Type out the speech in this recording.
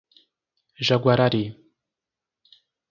Jaguarari